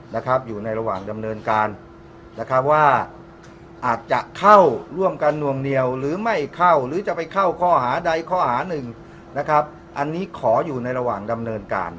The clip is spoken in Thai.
นะครับอยู่ในระหว่างดำเนินการนะครับว่าอาจจะเข้าร่วมกันนวงเหนียวหรือไม่เข้าหรือจะไปเข้าข้อหาใดข้อหาหนึ่งนะครับอันนี้ขออยู่ในระหว่างดำเนินการ